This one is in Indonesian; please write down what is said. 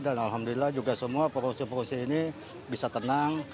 dan alhamdulillah juga semua pengungsi pengungsi ini bisa tenang